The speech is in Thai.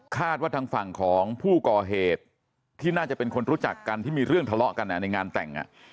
คาดว่าทางฝั่งของผู้ก่อเหตุที่น่าจะเป็นคนรู้จักกันที่มีเรื่องทะเลาะกันในงานแต่ง